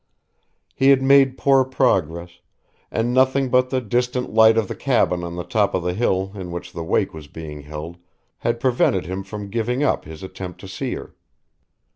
He had made poor progress, and nothing but the distant light of the cabin on the top of the hill in which the wake was being held had prevented him from giving up his attempt to see her.